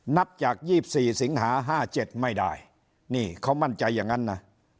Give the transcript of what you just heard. นับจาก๒๔สิงหา๕๗ไม่ได้นี่เขามั่นใจอย่างนั้นนะ